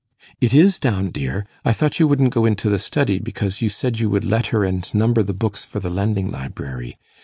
'It is down, dear. I thought you wouldn't go into the study, because you said you would letter and number the books for the Lending Library.